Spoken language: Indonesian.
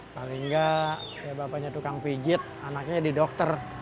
paling nggak ya bapaknya tukang pijit anaknya di dokter